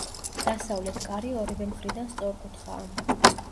დასავლეთ კარი ორივე მხრიდან სწორკუთხაა.